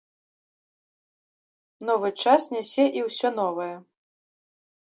Новы час нясе і ўсё новае.